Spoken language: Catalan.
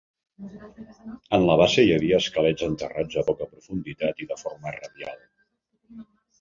En la base hi havia esquelets enterrats a poca profunditat i de forma radial.